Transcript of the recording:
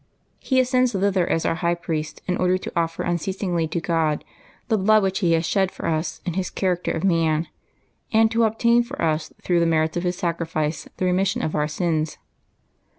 He ascends thither as our High Priest, in order to offer unceasingly to God the blood which He has shed for us in His character of man, and to obtain for us through the merits of His sacri fice the remission of our sins.